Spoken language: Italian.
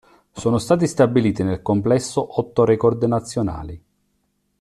Sono stati stabiliti nel complesso otto record nazionali.